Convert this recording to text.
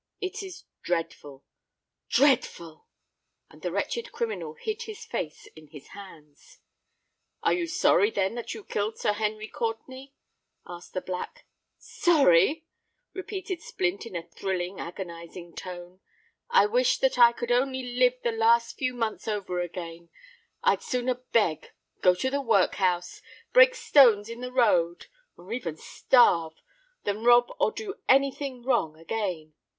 It is dreadful—dreadful!"—and the wretched criminal hid his face in his hands. "Are you sorry, then, that you killed Sir Henry Courtenay?" asked the Black. "Sorry!" repeated Splint, in a thrilling—agonising tone. "I wish that I could only live the last few months over again! I'd sooner beg—go to the workhouse—break stones in the road—or even starve, than rob or do any thing wrong again!